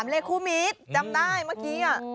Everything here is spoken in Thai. เลขคู่มิตรจำได้เมื่อกี้